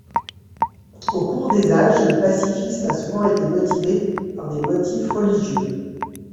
Au cours des âges, le pacifisme a souvent été motivé par des motifs religieux.